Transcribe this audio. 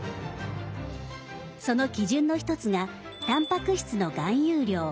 その基準の１つがタンパク質の含有量。